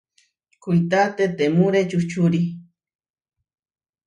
Kuitá tetemúre čuhčúri.